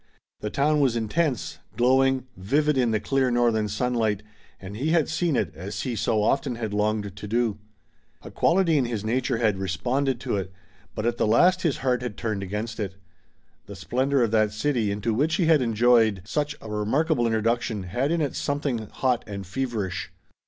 The town was intense, glowing, vivid in the clear northern sunlight, and he had seen it, as he so often had longed to do. A quality in his nature had responded to it, but at the last his heart had turned against it. The splendor of that city into which he had enjoyed such a remarkable introduction had in it something hot and feverish.